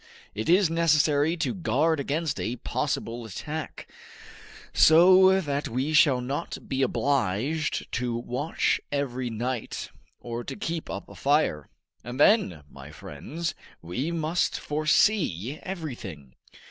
It is necessary to guard against a possible attack, so that we shall not be obliged to watch every night, or to keep up a fire. And then, my friends, we must foresee everything.